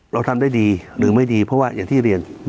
เราทำได้ดีหรือไม่ดี